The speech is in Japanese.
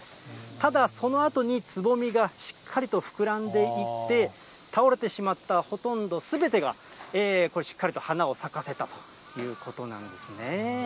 ただ、そのあとに、つぼみがしっかりと膨らんでいって、倒れてしまったほとんどすべてが、これしっかりと花を咲かせたということなんですね。